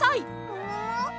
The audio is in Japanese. ももも？